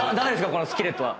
このスキレットは。